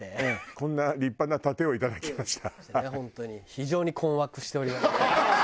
こんな立派な盾をいただきました。